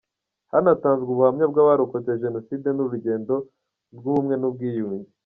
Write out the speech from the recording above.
Hanatanzwe ubuhamya bw’abarokotse Jenoside n’urugendo rw’ubumwe n’ubwiyunge.